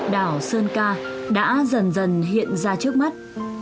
đảo sơn ca đã dần dần hiện ra trước mắt